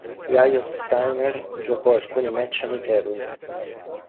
Lajos Steiner giocò alcuni match amichevoli.